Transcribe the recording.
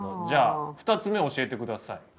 じゃあ２つ目教えてください。